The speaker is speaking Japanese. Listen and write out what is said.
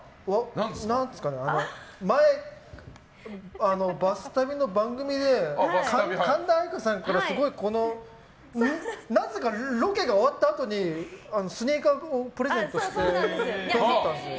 前、「バス旅」の番組で神田愛花さんからなぜかロケが終わったあとにスニーカーをプレゼントしていただいて。